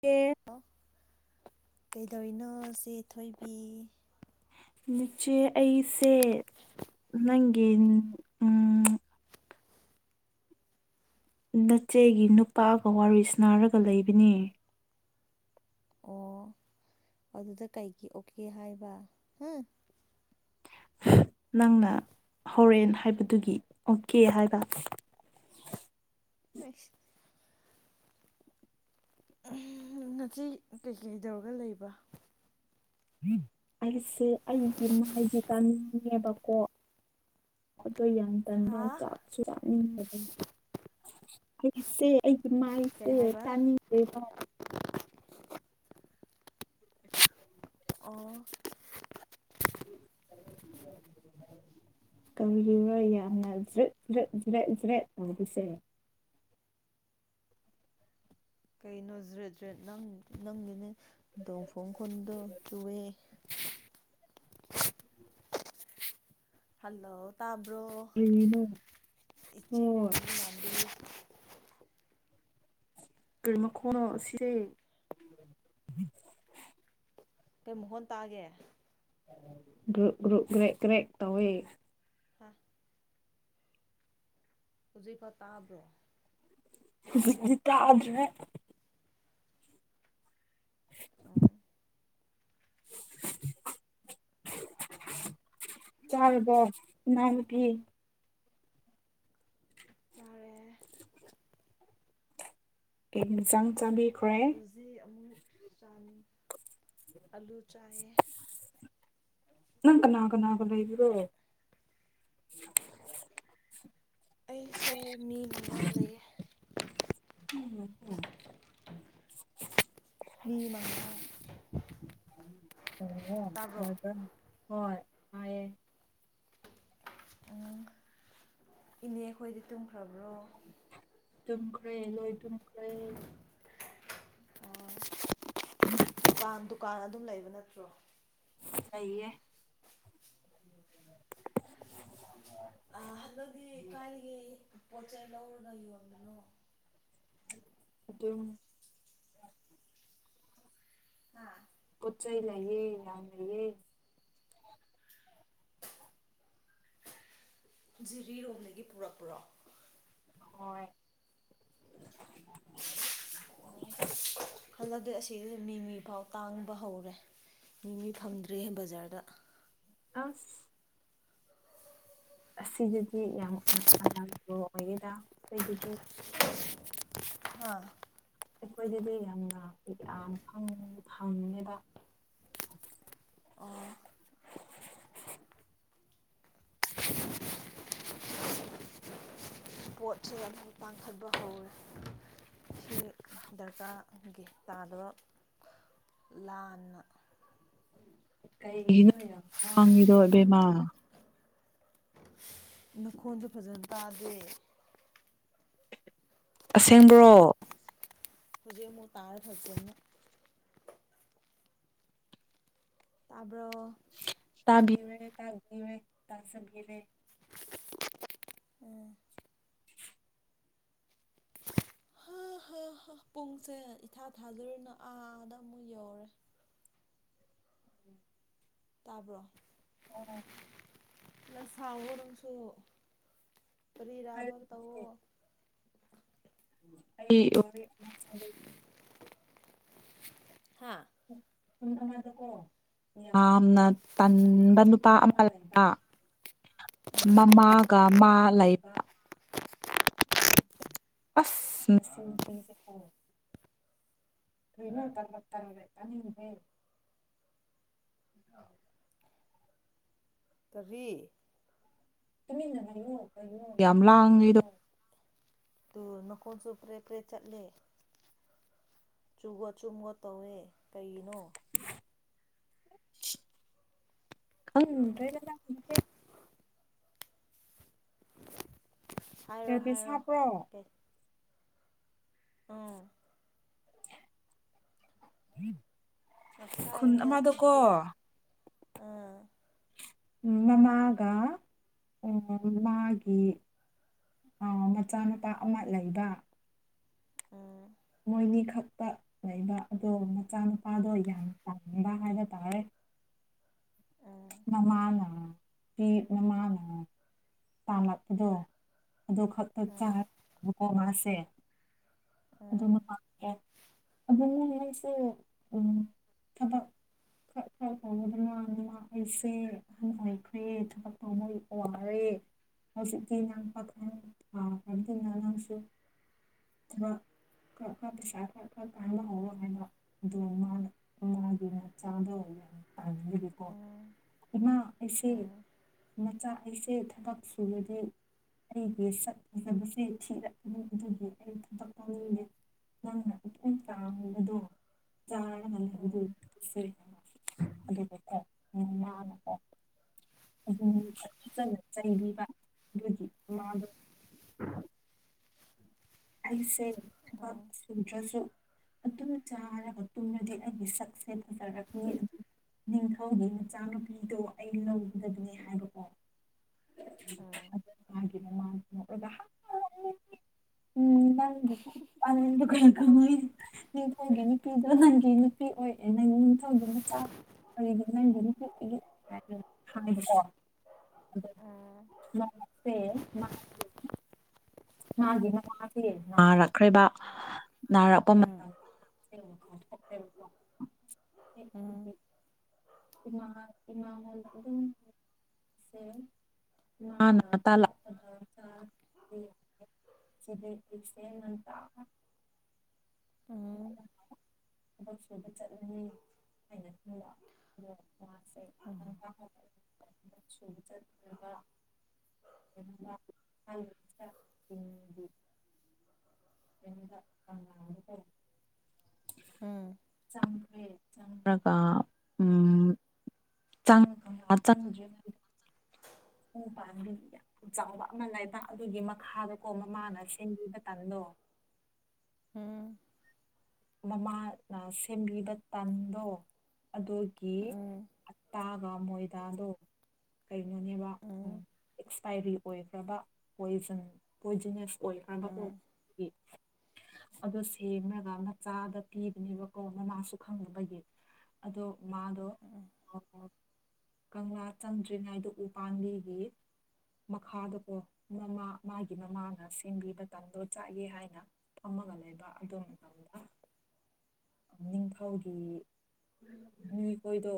ꯄ ꯑꯣ ꯀꯩꯗꯧꯔꯤꯅꯣ ꯁꯦ ꯊꯣꯏꯕꯤ ꯂꯤꯆꯦ ꯑꯩꯁꯦ ꯅꯪꯒ ꯎꯝ ꯅꯆꯦꯒꯤ ꯅꯨꯄꯥꯒ ꯋꯥꯔꯤ ꯁꯅꯥꯔꯒ ꯂꯩꯕꯅꯤ ꯑꯣ ꯑꯗꯨꯗ ꯀꯩꯒꯤ ꯑꯣꯀꯦ ꯍꯥꯏꯕ ꯍꯥ ꯅꯪꯅ ꯍꯧꯣꯔꯦꯟ ꯍꯥꯏꯕꯗꯨꯒꯤ ꯑꯣꯀꯦ ꯍꯥꯏꯕ ꯑ ꯉꯁꯤ ꯀꯩꯀꯩ ꯇꯧꯔꯒ ꯂꯩꯕ꯭ꯔ ꯑꯩꯁꯦ ꯑꯩꯒꯤ ꯃꯥꯏꯁ ꯆꯥꯅꯤꯡꯉꯦꯕꯀꯣ [unintelligible] ꯑꯣꯏ ꯌꯥꯝ ꯇꯟꯕ ꯍꯥꯥ ꯆꯥꯛꯁꯨ ꯆꯥꯅꯤꯡꯉꯦ ꯑꯗꯨꯝ ꯑꯩꯁꯦ ꯑꯩꯒꯤ ꯀꯩ ꯃꯥꯏꯁꯦ ꯍꯥꯏꯕ ꯇꯥꯅꯤꯡꯗꯦꯕ [unintelligible] ꯑꯣ ꯀꯧꯔꯤꯕ ꯌꯥꯝꯅ ꯠ ꯠ ꯖ꯭ꯔꯠ ꯖ꯭ꯔꯦꯠ ꯇꯧꯔꯤꯁꯦ ꯀꯩꯅꯣ ꯖ꯭ꯔꯦꯠ ꯖ꯭ꯔꯦꯠ ꯅꯪ ꯅꯪꯒꯤꯅꯦ ꯗꯣꯡ ꯐꯣꯡ ꯈꯨꯣꯟꯗꯣ ꯇꯨꯑꯦ [unintelligible] ꯍꯜꯂꯣ ꯇꯥꯕ꯭ꯔꯣ ꯏꯆꯦ ꯃꯣꯃꯣ ꯉꯕꯤ ꯀꯔꯤꯃ ꯀꯅꯣ ꯁꯤꯔꯦ ꯀꯩ ꯃꯈꯨ ꯍꯣꯟ ꯇꯥꯑꯒꯦ ꯭ꯔꯨꯞ ꯭ꯔꯨꯞ ꯭ꯔꯦꯛ ꯭ꯔꯦꯛ ꯇꯧꯋꯦ ꯍꯥꯥ ꯍꯧꯖꯤꯛꯄ ꯇꯥꯕ꯭ꯔꯣ ꯗꯛꯇꯗ꯭ꯔꯦ ꯎꯝ ꯆꯔꯕꯣ ꯅ ꯐ ꯆꯔꯦ ꯑꯩ ꯆꯪ ꯆꯕꯤ ꯖꯤ ꯑꯃꯨꯛ ꯆꯥ ꯑꯂꯨ ꯆꯥꯏꯌꯦ ꯅꯪ ꯀꯅꯥ ꯀꯅꯥ ꯀ ꯂꯩꯕꯤꯔꯣ ꯑꯩꯁꯦ ꯃꯤ ꯃꯉꯥ ꯂꯩꯌꯦ ꯎꯝ ꯎꯝ ꯃꯤ ꯃꯥꯡ ꯑꯣ ꯍꯣꯏꯗ ꯍꯣꯏꯦ ꯎ ꯏꯅꯦ ꯑꯩꯈꯣꯏꯗꯤ ꯇꯨꯝꯈ꯭ꯔꯕ꯭ꯔꯣ ꯇꯨꯝꯈ꯭ꯔꯦ ꯂꯣꯏ ꯇꯨꯝꯈ꯭ꯔꯦ ꯑꯣ ꯎꯝ ꯥꯟ ꯗꯨꯀꯥꯟ ꯑꯗꯨꯝ ꯂꯩꯕ ꯅꯠꯇ꯭ꯔꯣ ꯑꯏꯌꯦ [unintelligible] ꯑ ꯍꯟꯗꯗꯤ ꯀꯥꯏꯒꯦ ꯄꯣꯠ ꯆꯩꯩ ꯂꯧꯔꯒ ꯌꯣꯟꯕꯅꯣ ꯑꯗꯨꯝ ꯑꯥ ꯀꯆꯩ ꯂ ꯌꯦꯦ ꯌꯥ ꯂꯩ ꯌꯦꯦ ꯖꯤꯔꯤꯔꯣꯝꯗꯒꯤ ꯄꯨꯔꯛꯄ꯭ꯔꯣ ꯍꯣꯏ ꯎꯝ ꯈꯜꯂꯗꯤ ꯑꯁꯤ ꯃꯤ ꯃꯤ ꯐꯥꯎ ꯇꯥꯡꯕ ꯍꯧꯔꯦ ꯃꯤ ꯃꯤ ꯐꯪꯗ꯭ꯔꯦ ꯕꯖꯥꯔꯗ ꯑꯁ ꯑꯁꯤꯗꯗꯤ ꯌꯥꯝꯅ ꯑꯅꯥꯕ ꯑꯣꯏꯒꯦꯔꯥ ꯑꯩꯈꯣꯏꯗꯗꯤ ꯑꯥ ꯑꯩꯈꯣꯏꯗꯗꯤ ꯌꯥꯝꯅ ꯌꯥꯝ ꯐꯪꯉꯦꯕ ꯑꯣ [unintelligible] ꯄꯣꯠꯁꯦ ꯑꯃꯨꯛ ꯄꯥꯡꯈꯠꯄ ꯍꯧꯋꯦ ꯍ ꯗꯔꯀꯥꯔꯒꯤ ꯇꯥꯗꯕ ꯂꯥꯟꯅ ꯀꯉꯗꯣꯕꯦꯝꯃ ꯃꯈꯈꯣꯟꯗꯣ ꯐꯖꯅ ꯇꯥꯗꯦ ꯑꯁꯦꯡꯕ꯭ꯔꯣ ꯍꯧꯖꯤ ꯃꯨ ꯇꯥꯏꯔ ꯊꯆꯦꯅ ꯇꯥꯔꯕꯣ ꯇ ꯤꯔ ꯇ ꯦ ꯇꯥꯁꯤꯔ ꯎꯝ ꯍꯥ ꯑ ꯍꯥ ꯍ ꯄꯨꯡꯁꯦ ꯏꯊꯥ ꯊꯥꯖꯔꯅ ꯑꯥꯗ ꯑꯃꯨꯛ ꯌꯧꯔꯦ ꯇꯥꯕ꯭ꯔꯣ ꯎꯝ ꯅꯁꯥꯎꯋ ꯅꯨꯁꯨ ꯐꯔꯤꯔꯥꯕ ꯇꯧꯑꯣ ꯑꯩ ꯍꯥꯥ ꯑꯗꯨꯀꯣ ꯌꯥꯝꯅ ꯇꯟꯕ ꯅꯨꯄꯥ ꯑꯃ ꯂꯩꯕ ꯃꯃꯥꯒ ꯃꯥ ꯂꯩꯕ ꯑꯁ ꯂ ꯇ ꯇꯔꯔꯦꯅꯤꯕꯦ ꯇꯔꯔꯤ ꯌꯥꯝ ꯂꯥꯡꯉꯗꯣ ꯅꯀꯣꯟꯁꯨ ꯄ꯭ꯔꯦ ꯄꯔꯦ ꯆꯠꯂꯦ ꯆꯨꯒꯣ ꯆꯨꯝꯒꯣ ꯇꯧꯋꯦ ꯀꯩꯅꯣ ꯑꯦ ꯍꯥꯏꯔꯣ ꯑꯦꯕꯤ ꯍꯥꯏꯔꯣ ꯁꯥꯥꯕ꯭ꯔꯣ ꯀꯩ ꯎꯝ ꯎꯝ ꯉꯁꯥꯅꯅꯦ ꯑꯗꯨꯗꯤ ꯎꯝ ꯎꯝ ꯃꯃꯒ ꯎ ꯃꯥꯒꯤ ꯑ ꯃꯆꯥꯅꯨꯄꯥ ꯑꯃ ꯂꯩꯕ ꯎꯝ ꯃꯣꯏꯅꯤ ꯈꯛꯇ ꯂꯩꯕ ꯑꯗꯣ ꯃꯆꯥꯅꯨꯄꯥꯗꯣ ꯌꯥꯝ ꯇꯥꯕ ꯍꯥꯏꯕ ꯇꯥꯔꯦ ꯎꯝ ꯃꯃꯥꯅ ꯃꯃꯥꯅ ꯇꯥꯜꯂꯛꯄꯗꯣ ꯑ ꯈꯛꯇ ꯆꯥꯀꯣ ꯃꯥꯁꯦ ꯎꯝ ꯑꯗꯨ ꯑꯩꯁꯨ ꯊꯕꯛ ꯈꯔ ꯈꯔ ꯐꯥꯎꯕꯗ ꯃꯗꯅ ꯑꯩꯁꯦ ꯑꯍꯟꯉꯥꯏꯈ꯭ꯔꯦ ꯊꯕꯛꯇꯨ ꯃꯣꯏ ꯋꯥꯔꯦ ꯍꯧꯁꯨ ꯇ ꯂ ꯄꯈ ꯂꯁꯨ ꯊ ꯀꯥ ꯀꯥ ꯄꯁꯥ ꯀ ꯀꯥ ꯄꯥꯏꯅ ꯑꯣ ꯍꯥꯏꯅ ꯗ ꯃꯥꯅ ꯃꯥꯒꯤꯅ ꯆꯥꯗ ꯀꯣ ꯎꯝ ꯏꯃꯅꯥ ꯑꯦꯁꯦ ꯎꯝ ꯃꯆꯥ ꯑꯩꯁꯦ ꯊꯕꯛ ꯁꯨꯨꯔꯗꯦ ꯑꯩꯒꯤ ꯁꯛ ꯎꯖꯕꯁꯦ ꯊꯤꯔꯛꯅꯤ ꯑꯗꯨꯒꯤ ꯑꯩ ꯊꯕꯛ ꯇꯧꯅꯤꯡꯗꯦ ꯅꯪꯅꯟ ꯇꯥꯗꯣ ꯆꯥ ꯑꯗꯨ ꯎꯝ ꯇꯦ ꯑꯗꯨꯝ ꯐꯖꯅ ꯆꯩꯕꯤꯕ ꯑꯗꯨꯗꯤꯃꯥꯗ [unintelligible] ꯑꯩꯁꯦ ꯊꯕꯛ ꯎꯝ ꯁꯨꯗ꯭ꯔꯁꯨ ꯑꯗꯨꯅ ꯆꯥꯔꯕ ꯃꯇꯨꯡꯨꯡꯗꯗꯤ ꯑꯩꯒꯤ ꯁꯛꯁꯦ ꯐꯖꯔꯛꯅꯤ ꯅꯤꯡꯊꯧꯒꯤ ꯃꯆꯥꯅꯨꯄꯤꯗꯣ ꯑꯩ ꯂꯧꯒꯗꯕꯅꯦ ꯍꯥꯏꯕꯀꯣ ꯎꯝ ꯎꯝ ꯅꯪ ꯑꯅꯗꯨꯀꯥꯟ [unintelligible] ꯅꯤꯡꯊꯧꯒꯤ ꯅꯨꯄꯤꯗꯣ ꯅꯪꯒꯤ ꯅꯨꯄꯤ ꯑꯣꯏꯌꯦꯦ ꯅꯪ ꯅꯤꯡꯊꯧꯒꯤ ꯅꯨꯆꯥ ꯀꯗꯤ ꯅꯪꯝ ꯍꯥꯏꯕꯀꯣ ꯑꯗ ꯃꯥꯁꯦ ꯃꯥ ꯃꯥꯒꯤ ꯅꯥꯔꯛꯈ꯭ꯔꯦꯕ ꯅꯥꯔꯛꯄ ꯃꯇꯝ ꯎꯝ [unintelligible] ꯎꯝ ꯏꯃꯜ ꯏꯃꯥꯍꯣꯜ ꯑꯗꯨꯝ ꯅꯥ ꯇ ꯆ ꯁꯤꯦ ꯏꯁ ꯅ ꯇ ꯎ ꯊꯕꯛ ꯁꯨꯕ ꯆꯠꯂꯅꯤ ꯍꯥꯏꯅ ꯈꯟꯕ ꯑꯗꯣ ꯑ ꯁ ꯆꯠꯈ꯭ꯔꯕ ꯎꯝ ꯑ ꯆꯝꯕ꯭ꯔꯥ ꯎꯝ ꯆꯥꯡ ꯆꯥꯡ ꯁ ꯄ ꯌꯥꯝ ꯆꯥꯎꯕ ꯑꯃ ꯂꯩꯕ ꯑꯗꯨꯒꯤ ꯃꯈꯥꯗꯀꯣ ꯃꯃꯥꯅ ꯁꯦꯝꯦꯟꯕꯤ ꯃꯇꯝꯟꯗꯣ ꯎꯝ ꯃꯃꯥꯅ ꯁꯦꯝꯕꯤꯕ ꯇꯥꯟꯗꯣ ꯑꯗꯨ ꯀ ꯎꯝ ꯎꯝ ꯑꯇꯥꯒ ꯃꯣꯏꯗꯗꯣ ꯀꯩꯅꯣꯅꯦꯕ ꯎꯝ ꯑꯦꯛꯁꯄꯥꯏꯔꯤ ꯑꯣꯏꯈ꯭ꯔꯕ ꯄꯟ ꯄꯣꯏꯖꯅꯁ ꯑꯣꯏ ꯎꯝ ꯍꯥꯏꯕꯄꯥꯎꯒꯤ [unintelligible] ꯑꯣ ꯁꯦꯝꯅꯒ ꯃ ꯆꯥꯗ ꯄꯤꯕꯅꯦꯕꯀꯣ ꯃꯃꯁꯨ ꯈꯪꯅꯕꯒꯤ ꯑꯗꯣ ꯃꯥꯗꯣ ꯀꯪꯂꯥ ꯆꯪꯗ꯭ꯔꯤꯉꯩꯗꯣ ꯎ ꯄꯥꯟꯕꯤ ꯌꯦ ꯃꯈꯥꯗꯀꯣ ꯃꯃꯥ ꯃꯥꯒꯤ ꯃꯃꯥꯅ ꯁꯦꯝꯕꯤ ꯃꯇꯝꯗꯣ ꯆꯥꯏꯒꯦ ꯍꯥꯏꯅ ꯒ ꯂꯩꯕ ꯑꯗꯨꯝ ꯃꯇꯝꯗ [unintelligible] ꯅꯤꯡꯊꯧꯒꯤ ꯃꯤꯈꯣꯏꯗꯣ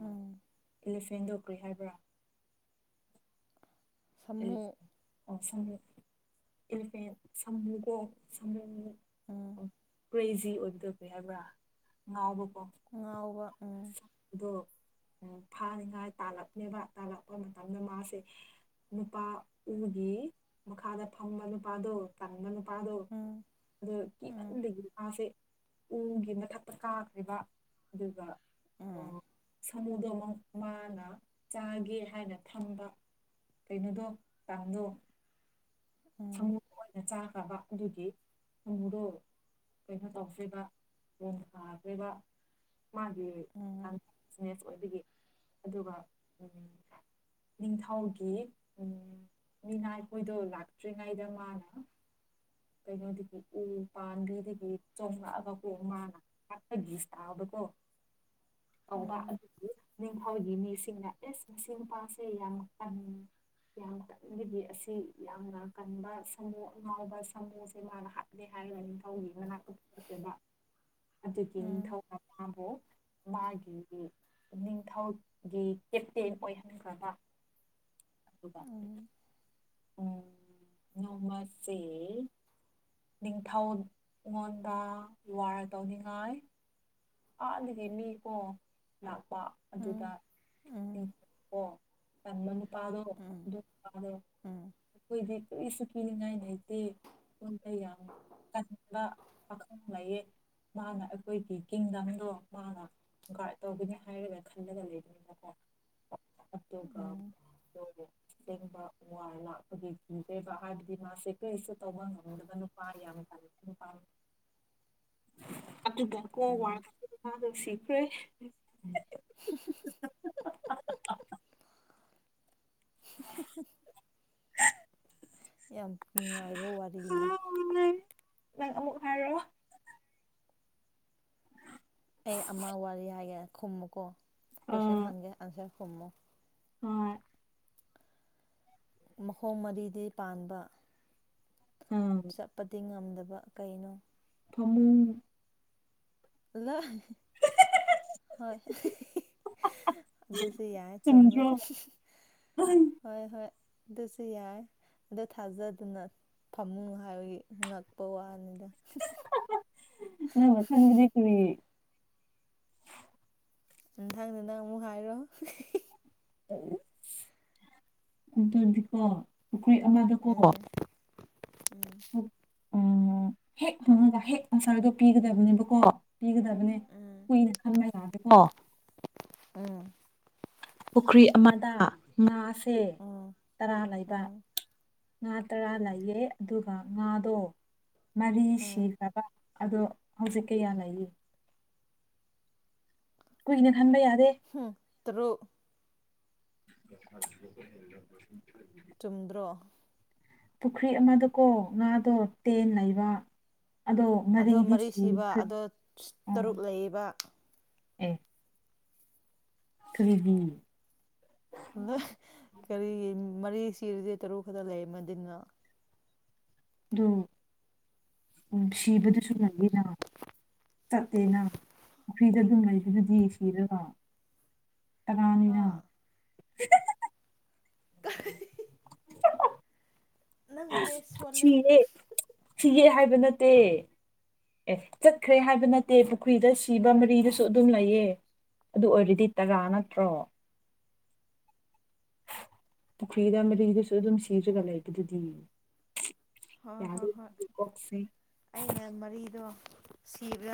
ꯎꯝ ꯏꯂꯤꯐꯦꯟꯗꯧꯈ꯭ꯔꯤ ꯍꯥꯏꯕ꯭ꯔꯥ ꯁꯥꯃꯨ ꯑꯣ ꯁꯃ ꯏꯐ ꯁꯝꯃꯨꯒꯣ ꯁꯝ ꯎꯝ ꯀ꯭ꯔꯦꯖꯤ ꯑꯣꯏꯒꯗꯕ ꯍꯥꯏꯕ꯭ꯔꯥ ꯉꯥꯎꯕ ꯉꯥꯎꯕ ꯎꯝ ꯎ ꯐꯥꯅꯤꯡꯉꯥꯏ ꯇꯥꯜꯂꯛꯅꯦꯕ ꯇꯥꯜꯂꯛꯄ ꯃꯇꯝꯗ ꯃꯥꯁꯦ ꯅꯨꯄꯥ ꯎꯒꯤ ꯃꯈꯥꯗ ꯐꯝꯕ ꯅꯨꯄꯥꯗꯨꯣ ꯇꯪꯕ ꯅꯨꯄꯥ ꯑꯥꯗꯣ ꯎꯝ ꯑꯗꯨꯗꯣ ꯀꯤ ꯎꯝ ꯂꯩ ꯐꯁꯦ ꯎꯒꯤ ꯃꯊꯛꯇ ꯀꯥꯈ꯭ꯔꯤꯕ ꯑꯗꯨꯒ ꯎꯝ ꯁꯥꯃꯨꯗꯣ ꯑꯃꯨ ꯃꯥꯅ ꯆꯥꯒꯦ ꯍꯥꯏꯅ ꯊꯝꯕ ꯀꯩꯅꯣꯗꯣ ꯇꯥꯡꯗꯣ ꯎꯝ ꯁꯥꯃꯨꯣ ꯑꯣꯏꯅ ꯆꯥꯈ꯭ꯔꯕ ꯑꯗꯨꯗꯤ ꯁꯥꯃꯨꯗꯣ ꯀꯩꯅꯣ ꯇꯧꯗ꯭ꯔꯤꯕ ꯂꯣꯟ ꯊꯥꯈ꯭ꯔꯤꯕ ꯃꯥꯒꯤ ꯎꯝ ꯀꯟꯅꯦꯁ ꯑꯣꯏꯕꯒꯤ ꯑꯗꯨꯒ ꯅꯤꯡꯊꯧꯒꯤ ꯎ ꯃꯤꯅ ꯑꯩꯈꯣꯏꯗꯣ ꯂꯥꯛ ꯇ꯭ꯔꯤꯉꯥꯏꯗ ꯃꯥꯅ ꯀꯩꯅꯣꯗꯒꯤ ꯎ ꯄꯥꯟꯗꯗꯒꯤ ꯆꯣꯉꯛꯑꯒꯀꯣ ꯃꯥꯅ ꯍꯛꯇꯒꯤꯁ ꯇꯥꯕꯀꯣ [unintelligible] ꯍꯕ ꯑꯗꯨ ꯍꯣꯏꯒꯤ ꯃꯤꯁꯤꯡꯅ ꯑꯦꯁ ꯃ ꯅꯨꯄꯥꯁꯦ ꯌꯥꯝ ꯀꯟꯉ ꯌꯥꯝ ꯀꯟꯒꯤꯕꯤ ꯑꯁꯤ ꯌꯥꯝꯅ ꯀꯟꯕ ꯁꯒꯨ ꯑꯉꯥꯎꯕ ꯊꯁꯦ ꯃꯥꯅ ꯍꯥꯦ ꯍꯥꯏꯒ ꯅꯤꯡ ꯊꯧꯒꯤ ꯃꯅꯥꯛꯇꯊꯂꯛꯕ ꯎꯝ ꯑꯗꯨꯒꯤ ꯎꯝ ꯅꯤꯡꯊꯧ ꯃꯄꯥꯕꯨ ꯃꯥꯒꯤ ꯅꯤꯡꯊꯧꯒꯤ ꯀꯦꯞꯇꯦꯟ ꯑꯣꯏꯍꯟꯈ꯭ꯔꯕ ꯎꯝ ꯎꯝ ꯎꯝ ꯅꯝꯕꯠꯇꯦ ꯅꯤꯡꯊꯧ ꯑꯩꯉꯣꯟꯗ ꯋꯥꯔ ꯇꯧꯅꯤꯡꯉꯥꯏ ꯑꯥꯒꯤ ꯃꯤꯀꯣ ꯂꯥꯛꯄ ꯑꯗꯨꯗ ꯣ ꯇꯝꯕ ꯅꯨꯄꯥꯗꯣ ꯑꯗꯨ ꯅꯨꯄꯥꯗꯣ ꯎꯝ ꯎꯝ ꯑꯩꯈꯗꯤ ꯁꯨ ꯀꯂꯤ ꯉꯥꯏ ꯅꯥꯥꯏꯇ ꯑꯩꯣꯟꯗ ꯌꯥꯝ ꯀꯕ ꯄꯥꯈꯪ ꯂꯩꯌꯦ ꯃꯥꯅ ꯑꯩꯈꯣꯏꯒꯤ ꯀꯤꯡꯗꯝꯗꯣ ꯃꯥꯅ ꯒꯥꯏꯗ ꯇꯧꯒꯅꯤ ꯍꯥꯏꯔꯒ ꯈꯜꯂꯒ ꯂꯩꯕꯅꯤꯅꯀꯣ ꯑꯠꯇꯣ ꯀ ꯎꯝ ꯑꯦꯡꯕ ꯋꯥ ꯂꯥꯛꯄꯒꯤ ꯀꯤꯕ ꯍꯥꯏꯕꯗꯤ ꯃꯥꯁꯦ ꯀꯔꯤꯁꯨ ꯇꯧꯕ ꯉꯝꯗꯕ ꯅꯨꯄꯥ ꯌꯥꯝ [unintelligible] ꯑꯗꯨꯒꯀꯣ ꯎꯝ ꯋꯥꯗ ꯁꯤꯈ꯭ꯔꯦ [unintelligible] [unintelligible] ꯌꯥꯝ ꯅꯨꯡꯉꯥꯏꯕ ꯋꯥꯔꯤꯅꯤ ꯍꯥꯏꯔꯣ ꯑꯩ ꯑꯃ ꯋꯥꯔꯤ ꯍꯥꯏꯒꯦ ꯈꯨꯝꯃꯨꯀꯣ ꯀꯣꯏꯁꯟ ꯍꯪꯒꯦ ꯑꯟꯁꯔ ꯈꯨꯝꯃꯨ ꯑ ꯃꯈꯣꯡ ꯃꯔꯤꯗꯤ ꯄꯥꯟꯕ ꯆꯠꯄꯗꯤ ꯉꯝꯗꯕ ꯀꯩꯅꯣ ꯐꯃꯨꯡ ꯂ ꯍꯣꯏ ꯑꯗꯨꯁꯨ ꯌꯥꯏ ꯆꯨꯝꯃꯦ ꯍꯣꯏ ꯍꯣꯏ ꯑꯗꯨꯁꯨ ꯌꯥꯏ ꯑꯗ ꯊꯥꯖꯗꯨꯅ ꯐꯃꯨꯡ ꯍꯥꯏꯕꯒꯤ ꯉꯛꯄ ꯋꯥꯅꯤꯗ ꯅ ꯃꯊꯪꯗꯤ ꯀꯔꯤ ꯅꯊꯪ ꯅꯊꯪ ꯑꯃꯨꯛ ꯍꯥꯏꯔꯣ ꯑꯗꯨꯗꯤꯀꯣ ꯄꯨꯈꯔꯤ ꯑꯃꯗꯀꯣ ꯎꯝ ꯎꯝ ꯍꯦꯛ ꯃꯅꯨꯡꯗ ꯍꯦꯛ ꯑꯟꯁꯔꯗꯣ ꯄꯤꯒꯗꯕꯅꯦꯕꯀꯣ ꯄꯤꯒꯗꯕꯅꯦ ꯎꯝ ꯀꯨꯏꯅ ꯈꯟꯕ ꯌꯥꯒꯦꯀꯣ ꯎꯝ ꯄꯨꯈ꯭ꯔꯤ ꯑꯃꯗ ꯉꯥꯁꯦ ꯎꯝ ꯇꯔꯥ ꯂꯩꯕ ꯎꯝ ꯉꯥ ꯇꯔꯥ ꯂꯩꯌꯦꯦ ꯑꯗꯨꯒ ꯉꯥꯗꯣ ꯃꯔꯤ ꯎꯝ ꯁꯤꯈꯕ ꯑꯗꯣ ꯍꯧꯖꯤꯛ ꯀꯌꯥ ꯂꯩꯌꯦ ꯀꯨꯏꯅ ꯈꯟꯕ ꯌꯥ ꯎꯝ ꯇ꯭ꯔꯨ [unintelligible] ꯆꯨꯝꯗ꯭ꯔꯣ ꯄꯨꯈ꯭ꯔꯤ ꯑꯃꯗꯀꯣ ꯉꯥꯗꯣ ꯇꯦꯟ ꯂꯩꯕ ꯑꯗꯣ ꯑꯗꯣ ꯉꯔꯤꯗꯤ ꯃꯔꯤ ꯁꯤꯕ ꯁꯤꯈꯦ ꯑꯗꯣ ꯎ ꯇꯔꯨꯛ ꯂꯩꯌꯦꯕ ꯑꯦ ꯊ꯭ꯔꯤꯗꯤ ꯀꯔꯤ ꯃꯔꯤ ꯁꯤꯔꯤꯁꯦ ꯇꯔꯨꯛ ꯈꯛꯇ ꯂꯩ ꯃꯗꯤꯟꯅ ꯑꯣ ꯎ ꯁꯤꯕꯗꯨꯁꯨ ꯂꯩꯉꯅ ꯆꯠꯇꯦꯅ ꯄꯨꯈ꯭ꯔꯤꯗ ꯑꯗꯨꯝ ꯂꯩꯕꯗꯨꯗꯤ ꯁꯤꯔꯀꯣ ꯍꯥꯥ [unintelligible] ꯅꯪ ꯃꯦꯠꯁ ꯁꯣꯜꯂꯦ ꯁꯤꯌꯦꯦ ꯁꯤꯒꯦ ꯍꯥꯏꯕ ꯅꯠꯇꯦ ꯑꯦ ꯆꯠꯈ꯭ꯔꯦ ꯍꯥꯏꯕ ꯅꯠꯇꯦ ꯄꯨꯈ꯭ꯔꯤꯗ ꯁꯤꯕ ꯃꯔꯤꯗꯁꯨ ꯑꯗꯨꯝ ꯂꯩꯑ ꯑꯗꯨ ꯑꯣꯏꯔꯗꯤ ꯇꯔꯥ ꯅꯠꯇ꯭ꯔꯣ ꯄꯨꯈ꯭ꯔꯤꯗ ꯃꯂꯤꯗꯁꯨ ꯑꯗꯨꯝ ꯁꯤꯖꯒ ꯂꯩꯕ ꯑꯗꯨꯗꯤ ꯍꯣꯏ ꯍꯣꯏ ꯍꯣꯏ ꯑꯩꯅ ꯃꯔꯤꯗꯣ ꯁꯤꯕ꯭ꯔꯥ